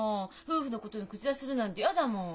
夫婦のことに口出しするなんて嫌だもん。